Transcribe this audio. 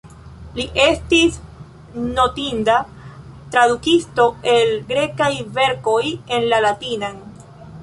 Li estis notinda tradukisto el grekaj verkoj en la latinan.